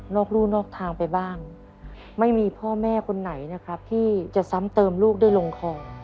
ครู่นอกทางไปบ้างไม่มีพ่อแม่คนไหนนะครับที่จะซ้ำเติมลูกได้ลงคอ